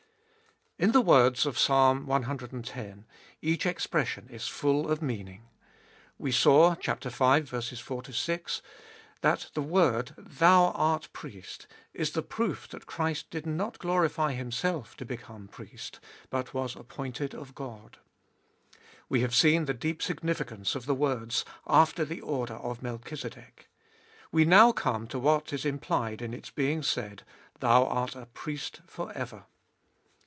IN the words of Psalm ex. each expression is full of meaning. We saw (v. 4 6) that the word, Thou art Priest is the proof that Christ did not glorify Himself to become Priest, but was appointed of God. We have seen the deep significance of the words, after the order of Melchizedek. We now come to what is implied in its being said, Thou art a Priest for ever.